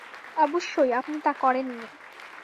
অবশ্যই, আপনি তা করেননি।